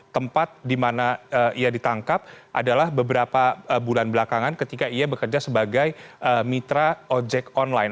tempat di mana ia ditangkap adalah beberapa bulan belakangan ketika ia bekerja sebagai mitra ojek online